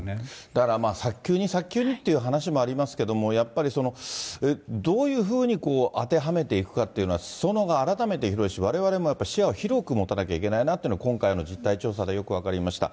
だから、早急に早急にっていう話ありますけども、やっぱり、どういうふうに当てはめていくかっていうのは、すそ野が改めて広いし、われわれもやっぱり視野を広く持たなきゃいけないなっていうのは今回の実態調査でよく分かりました。